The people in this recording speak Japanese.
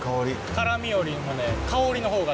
辛みよりもね香りの方が。